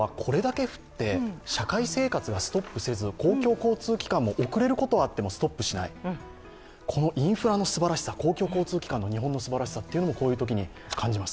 社会生活がストップせず公共交通機関は遅れることがあってもストップしない、このインフラの寿すばらしさ、公共交通機関の日本のすばらしさも、こういうときに感じます。